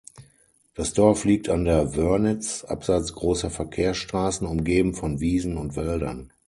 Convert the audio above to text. Das Dorf liegt an der Wörnitz, abseits großer Verkehrsstraßen, umgeben von Wiesen und Wäldern.